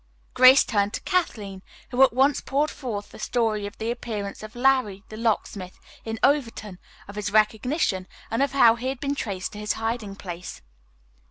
Grace turned to Kathleen, who at once poured forth the story of the appearance of "Larry, the Locksmith" in Overton, of his recognition and of how he had been traced to his hiding place.